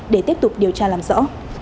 để tiếp tục điều tra làm rõ